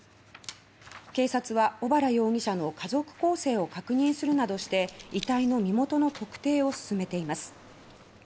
警察は小原容疑者の家族構成を確認するなどして遺体の身元の特定を進めています。